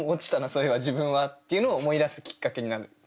そういえば自分は」っていうのを思い出すきっかけになる。